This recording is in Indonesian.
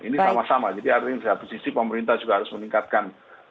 ini sama sama jadi artinya di satu sisi pemerintah juga harus meningkatkan